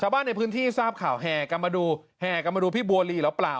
บ้านในพื้นที่ทราบข่าวแห่กันมาดูแห่กันมาดูพี่บัวลีหรือเปล่า